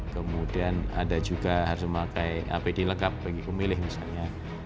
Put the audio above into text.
kemudian ada juga harus memakai apd lengkap bagi pemilih misalnya